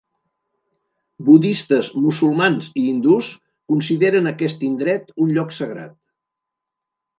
Budistes, musulmans i hindús consideren aquest indret un lloc sagrat.